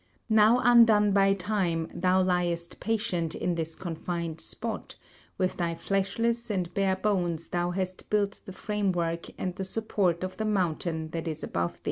Now undone by time, thou liest patient in this confined spot; with thy fleshless and bare bones thou hast built the framework and the support of the mountain that is above thee.